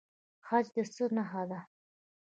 حج د څه نښه ده؟